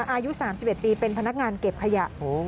อายุ๓๑ปีเป็นพนักงานเก็บขยะ